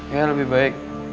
ya lebih baik